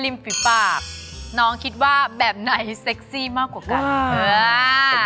เรียนริมฝีบปากน้องคิดว่าแบบไหนเซ็กซี่มากกว่ากัน